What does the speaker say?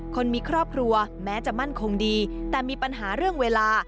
คนมีครอบครัวแม้จะมั่นคงดีแต่มีปัญหาเรื่องเวลา